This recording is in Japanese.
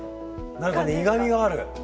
何か苦みがある。